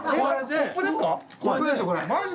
コップですよこれ。